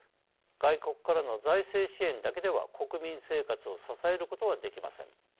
外国からの財政支援だけでは国民生活を支えることはできません。